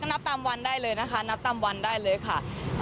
นับตามวันได้เลยนะคะ